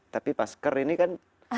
jadi masker ini kan